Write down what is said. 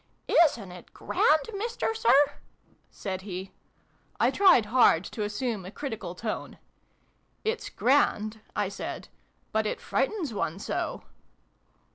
" Isn't it grand, Mister Sir ?" said he. I tried hard to assume a critical tone. " It's grand," I said : "but it frightens one so!"